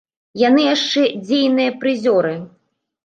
Яны яшчэ дзейныя прызёры.